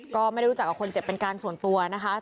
ก็ไม่ได้รู้จักกับคนเจ็บเป็นการส่วนตัวนะคะ